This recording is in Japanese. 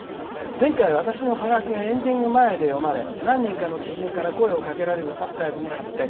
前回、私のハガキがエンディング前に読まれ何人かの知人から声をかけられるサプライズに発展。